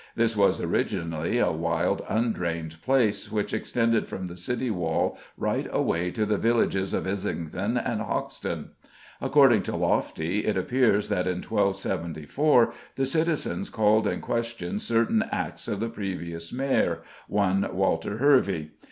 This was originally a wild, undrained place, which extended from the City wall right away to the villages of Islington and Hoxton. According to Loftie, it appears that in 1274 the citizens called in question certain Acts of the previous Mayor, one Walter Hervey.